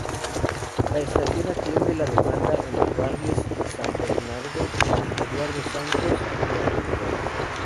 La estación atiende la demanda de los barrios San Bernardo, Eduardo Santos y alrededores.